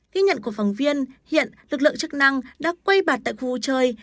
ghi nhận của phóng viên hiện lực lượng chức năng đã quay bạt tại khu vui chơi